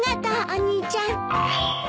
お兄ちゃん。